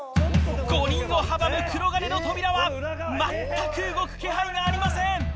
５人を阻むくろがねの扉は全く動く気配がありません